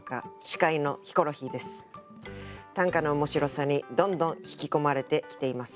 短歌の面白さにどんどん引き込まれてきています。